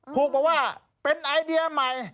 พูดมาว่าเป็นไอเดียใหม่